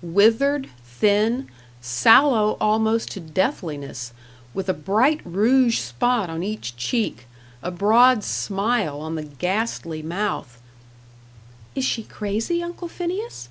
withered, thin, sallow almost to deathliness, with a bright rouge spot on each cheek, a broad smile on the ghastly mouth. "Is she crazy, Uncle Phineas?"